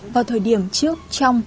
vào thời điểm trước trong